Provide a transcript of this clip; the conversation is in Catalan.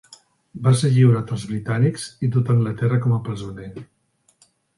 Va ser lliurat als britànics i dut a Anglaterra com a presoner.